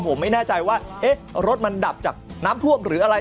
ผมไม่แน่ใจว่ารถมันดับจากน้ำท่วมหรืออะไร